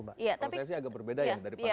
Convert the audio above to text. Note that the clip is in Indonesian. prosesnya agak berbeda ya